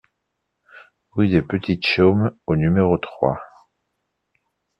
Rue des Petites Chaumes au numéro trois